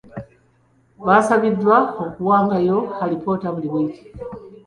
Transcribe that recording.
Baasabiddwa okuwangayo alipoota buli wiiki.